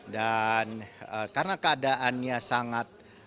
dan karena keadaannya sangat